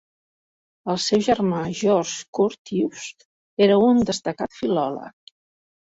El seu germà, Georg Curtius, era un destacat filòleg.